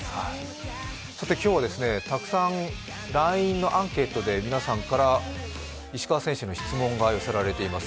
さて今日はたくさんＬＩＮＥのアンケートで皆さんから石川選手に質問が寄せられています